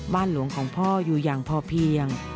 หลวงของพ่ออยู่อย่างพอเพียง